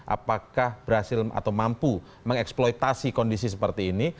apakah berhasil atau mampu mengeksploitasi kondisi seperti ini